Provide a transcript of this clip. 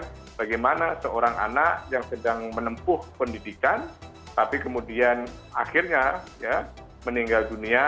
bagaimana seorang anak yang sedang menempuh pendidikan tapi kemudian akhirnya meninggal dunia